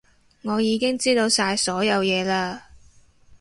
我已經知道晒所有嘢嘞